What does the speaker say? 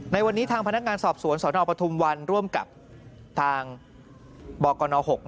ในวันนี้ทางพนักงานสอบสวนสนปทุมวันร่วมกับทางบกน๖